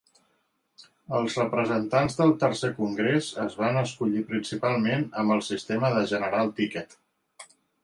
Els representants del tercer congrés es van escollir principalment amb el sistema de "General ticket".